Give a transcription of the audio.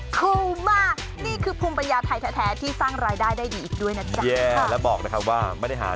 ขอบคุณค่ะ